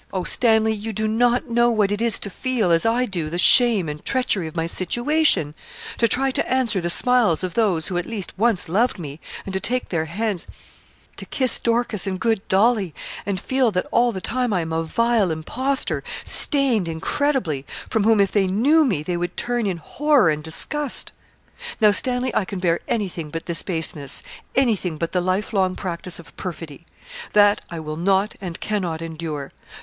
Oh! Stanley, you do not know what it is to feel, as I do, the shame and treachery of my situation; to try to answer the smiles of those who, at least, once loved me, and to take their hands; to kiss Dorcas and good Dolly; and feel that all the time I am a vile impostor, stained incredibly, from whom, if they knew me, they would turn in horror and disgust. Now, Stanley, I can bear anything but this baseness anything but the life long practice of perfidy that, I will not and cannot endure.